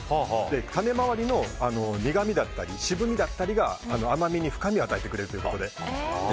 種周りの苦みだったり渋みだったりが甘みに深みを与えてくれるということで。